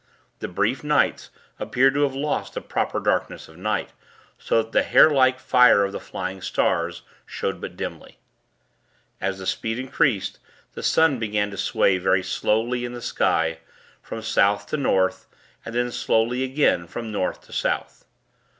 The brief nights, appeared to have lost the proper darkness of night; so that the hair like fire of the flying stars, showed but dimly. As the speed increased, the sun began to sway very slowly in the sky, from South to North, and then, slowly again, from North to South.